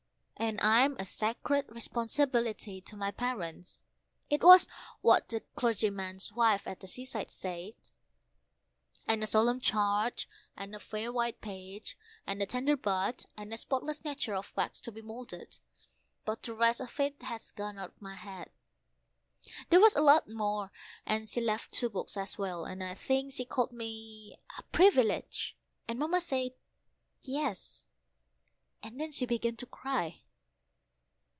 And I'm a sacred responsibility to my parents (it was what the clergyman's wife at the seaside said), And a solemn charge, and a fair white page, and a tender bud, and a spotless nature of wax to be moulded; but the rest of it has gone out of my head. There was a lot more, and she left two books as well, and I think she called me a Privilege, and Mamma said "Yes," and began to cry.